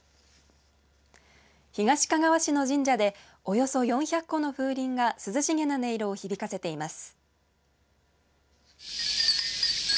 東かがわ市の神社でおよそ４００個の風鈴が涼しげな音色を響かせています。